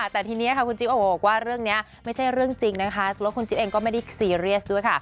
แต่ทีนี้ค่ะคุณจิ๊โอบอกว่าเรื่องนี้ไม่ใช่เรื่องจริงนะคะแล้วคุณจิ๊บเองก็ไม่ได้ซีเรียสด้วยค่ะ